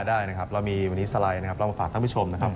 ได้นะครับเรามีวันนี้สไลด์นะครับเรามาฝากท่านผู้ชมนะครับ